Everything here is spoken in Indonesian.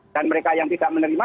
dan mereka yang tidak menerima